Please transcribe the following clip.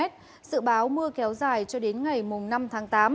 dự báo mưa kéo dài cho đến ngày năm tháng tám